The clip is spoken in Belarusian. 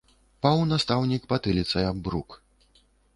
Паў настаўнік патыліцай аб брук.